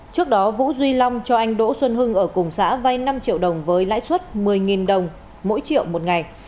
trước đó vũ duy long cho anh đỗ xuân hưng ở cùng xã vay năm triệu đồng với lãi suất một mươi đồng mỗi triệu một ngày